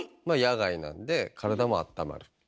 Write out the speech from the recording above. まあ野外なんで体もあったまる。